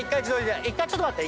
ちょっと待って。